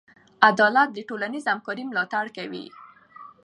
عدالت د ټولنیز همکارۍ ملاتړ کوي.